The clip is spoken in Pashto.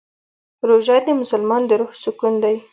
روژه د مسلمان د روح سکون دی.